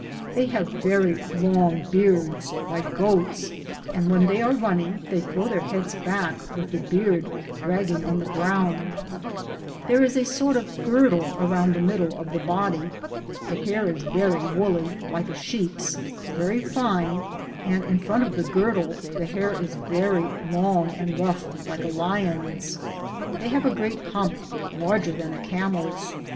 They have very long beards, like goats, and when they are running they throw their beads back with the beard dragging on the ground. There is a sort of girdle round the middle of the body. The hair is very woolly, like a sheep's, very fine, and in front of the girdle the hair is very long and rough like a lion's. They have a great hump, larger than a camel's.